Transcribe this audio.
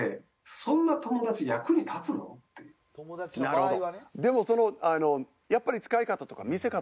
なるほど。